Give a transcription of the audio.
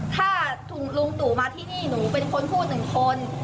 ถ้าถูกลุงตู่มาที่นี่หนูเป็นคนพูดหนึ่งคน